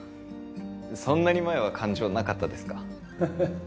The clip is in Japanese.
そんなに前は感情なかったですか？